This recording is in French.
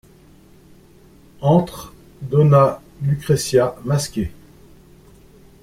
Entre dona Lucrezia, masquée.